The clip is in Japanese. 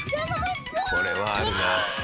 これはあるな。